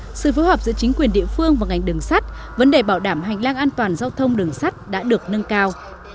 với những giải pháp giữa chính quyền địa phương và ngành đường sắt vấn đề bảo đảm hành lang an toàn giao thông đường sắt đã được nâng cao